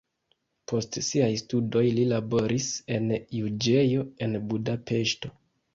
Post siaj studoj li laboris en juĝejo en Budapeŝto.